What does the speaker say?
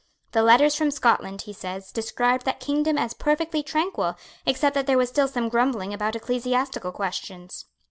The letters from Scotland, he says, described that kingdom as perfectly tranquil, except that there was still some grumbling about ecclesiastical questions.